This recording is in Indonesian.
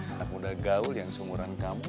anak muda gaul yang seumuran kamu